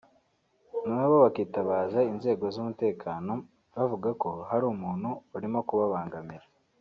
nabo bakitabaza inzego z’umutekano bavuga ko hari umuntu urimo kubabangamira